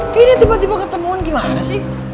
fire tiba tiba ketemuan gimana sih